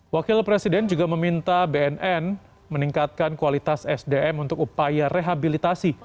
wakil presiden juga meminta bnn meningkatkan kualitas sdm untuk upaya rehabilitasi